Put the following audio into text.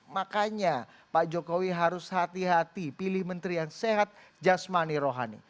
makanya pak jokowi harus hati hati pilih menteri yang sehat jasmani rohani